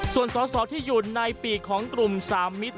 ส่วนสอสอที่อยู่ในปีกของกลุ่ม๓มิตร